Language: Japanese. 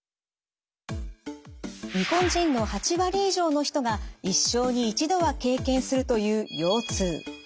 日本人の８割以上の人が一生に一度は経験するという腰痛。